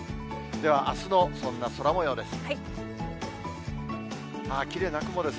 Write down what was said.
では、あすのそんな空もようです。